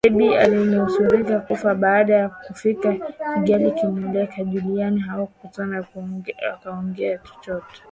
Debby alinusurika kufa baada ya kufika Kigali kumpeleka Juliana hawakutaka akaongee chochote